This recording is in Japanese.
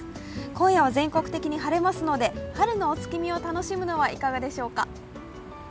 今夜は全国的に晴れますので春のお月見を楽しむのはいかがでしょうか。